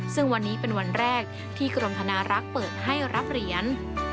ซึ่งวันนี้เป็นวันแรกที่กรมธนารักษ์เปิดให้รับเหรียญ